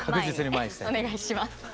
前にお願いします。